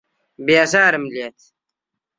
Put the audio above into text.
بێزارم لێت.